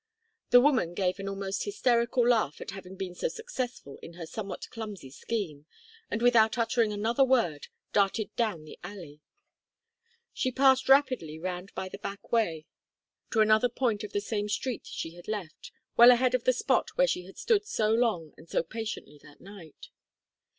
The woman gave an almost hysterical laugh at having been so successful in her somewhat clumsy scheme, and, without uttering another word, darted down the alley. She passed rapidly round by a back way to another point of the same street she had left well ahead of the spot where she had stood so long and so patiently that night.